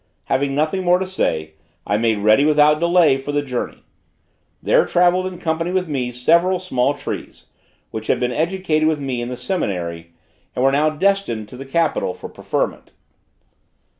Having nothing more to say, I made ready, without delay, for the journey. There travelled in company with me several small trees, which had been educated with me in the seminary, and were now destined to the capital for preferment.